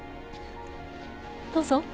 どうぞ。